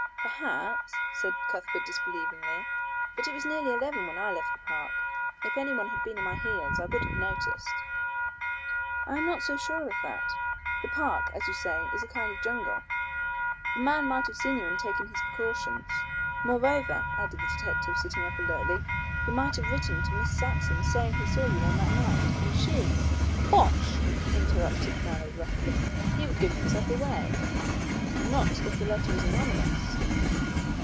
"Perhaps," said Cuthbert disbelievingly; "but it was nearly eleven when I left the park. If anyone had been at my heels I would have noticed." "I am not so sure of that. The park, as you say, is a kind of jungle. The man might have seen you and have taken his precautions. Moreover," added the detective, sitting up alertly, "he might have written to Miss Saxon saying he saw you on that night. And she " "Bosh!" interrupted Mallow roughly, "he would give himself away." "Not if the letter was anonymous."